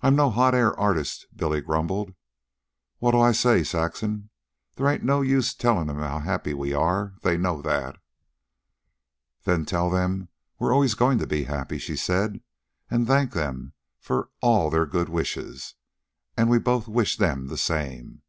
"I'm no hotair artist," Billy grumbled. "What'll I say, Saxon? They ain't no use tellin' 'em how happy we are. They know that." "Tell them we're always going to be happy," she said. "And thank them for all their good wishes, and we both wish them the same.